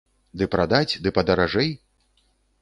Ды прадаць, ды падаражэй?